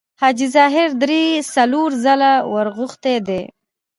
حاجي ظاهر درې څلور ځله ورغوښتی دی.